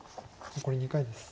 残り２回です。